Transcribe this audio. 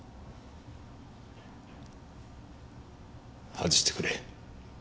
外してくれ。